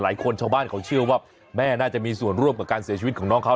ชาวบ้านเขาเชื่อว่าแม่น่าจะมีส่วนร่วมกับการเสียชีวิตของน้องเขา